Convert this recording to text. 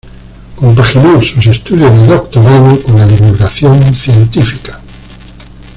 Compaginó sus estudios de doctorado con la divulgación científica.